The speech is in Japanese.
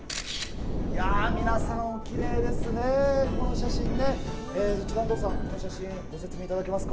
いやー、皆様、おきれいですね、この写真ね、安藤さん、この写真、ご説明いただけますか。